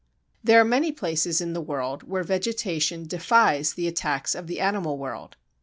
There are many places in the world where vegetation defies the attacks of the animal world.